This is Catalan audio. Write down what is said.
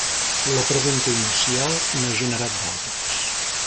La pregunta inicial n'ha generat d'altres.